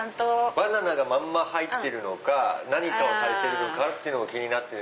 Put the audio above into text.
バナナがまんま入ってるのか何かをされてるのか気になってる。